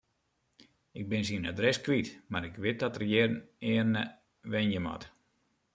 Ik bin syn adres kwyt, mar ik wit dat er hjirearne wenje moat.